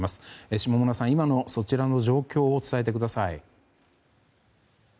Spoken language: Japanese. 下村さん、今のそちらの状況を伝えてください。